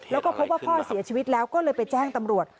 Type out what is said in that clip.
แล้วก็พบว่าพ่อเสียชีวิตแล้วก็เลยไปแจ้งตำรวจ